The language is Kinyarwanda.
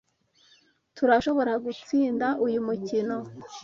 Turashobora gutsinda uyu mukino.